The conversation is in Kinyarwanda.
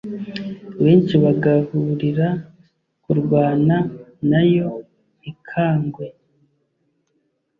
benshi bagahururira kurwana na yo ntikangwe